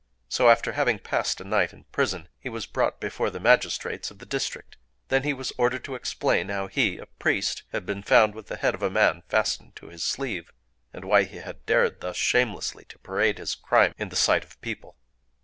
So, after having passed a night in prison, he was brought before the magistrates of the district. Then he was ordered to explain how he, a priest, had been found with the head of a man fastened to his sleeve, and why he had dared thus shamelessly to parade his crime in the sight of people.